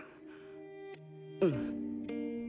うん。